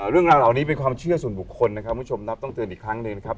เรื่องราวเหล่านี้เป็นความเชื่อส่วนบุคคลนะครับคุณผู้ชมนับต้องเตือนอีกครั้งหนึ่งนะครับ